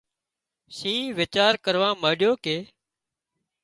شينهن ويچار ڪروا مانڏيو ڪي